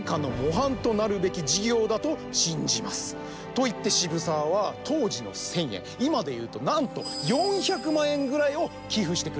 と言って渋沢は当時の１，０００円今で言うとなんと４００万円ぐらいを寄付してくれたわけなんです。